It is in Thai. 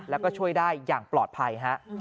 แล้วก็ช่วยได้อย่างปลอดภัยฮะ